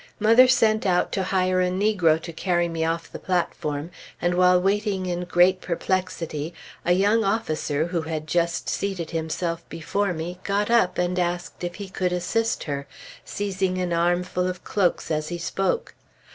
Mother sent out to hire a negro to carry me off the platform; and while waiting in great perplexity, a young officer who had just seated himself before me, got up and asked if he could assist her, seizing an arm full of cloaks as he spoke.